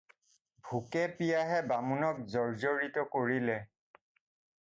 ভোকে পিয়াহে বামুণক জৰ্জৰিত কৰিলে।